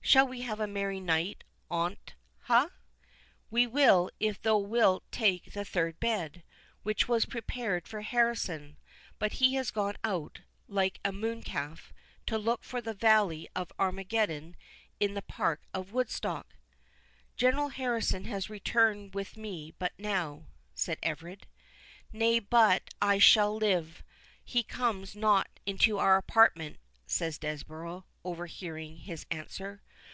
Shall we have a merry night on't, ha? We will, if thou wilt take the third bed, which was prepared for Harrison; but he is gone out, like a mooncalf, to look for the valley of Armageddon in the Park of Woodstock." "General Harrison has returned with me but now," said Everard. "Nay but, as I shall live, he comes not into our apartment," said Desborough, overhearing his answer.